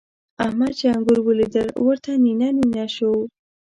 احمد چې انګور وليدل؛ ورته نينه نينه شو.